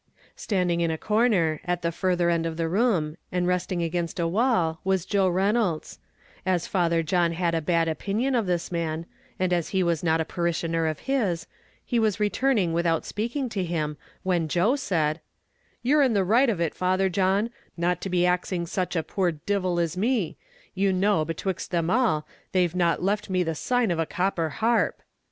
Standing in a corner, at the further end of the room, and resting against a wall, was Joe Reynolds: as Father John had a bad opinion of this man, and as he was not a parishioner of his, he was returning without speaking to him, when Joe said, "You're in the right of it, Father John, not to be axing such a poor divil as me; you know, betwixt them all, they've not left me the sign of a copper harp."